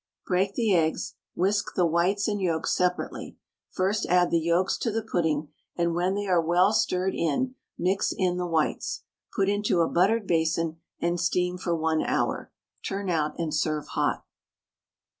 Break the eggs, whisk the whites and yolks separately, first add the yolks to the pudding, and when they are well stirred in, mix in the whites. Put into a buttered basin, and steam for 1 hour. Turn out and serve hot.